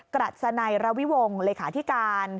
กรัฐสนัยระวิวงเลขาที่การ